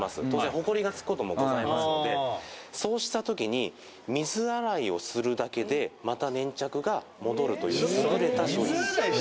ホコリがつくこともございますので、そうした時に、水洗いをするだけで、また粘着が戻るという、すぐれた商品です。